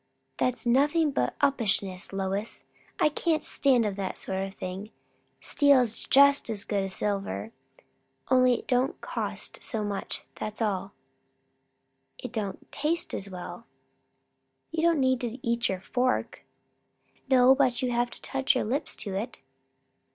"That's nothing but uppishness, Lois. I can't stand that sort of thing. Steel's just as good as silver, only it don't cost so much; that's all." "It don't taste as well." "You don't need to eat your fork." "No, but you have to touch your lips to it."